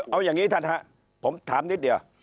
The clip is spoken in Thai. เอาอย่างนี้ท่านฮะผมถามนิดเดียว